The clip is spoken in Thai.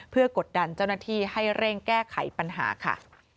เพื่อกดดันเจ้าหน้าที่ให้เร่งแก้ไขปัญหาค่ะ